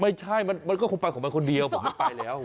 ไม่ใช่มันก็คงไปของมันคนเดียวผมให้ไปแล้ว